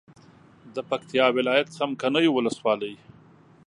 د پکتیا ولایت څمکنیو ولسوالي